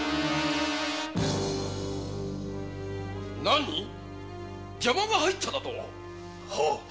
なに邪魔が入っただと！